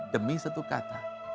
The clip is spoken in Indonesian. demi satu kata